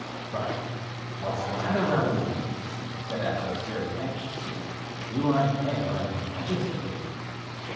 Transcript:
"But what's the matter, Raoul?" said Athos, very anxiously. "You are pale and agitated."